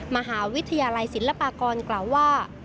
มหาวิทยาลัยศิลปากรกล่าวว่า